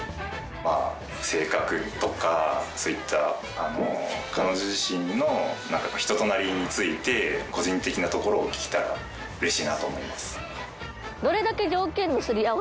まあ性格とかそういった彼女自身の人となりについて個人的なところを聞けたらうれしいなと思います。